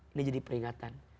ini jadi peringatan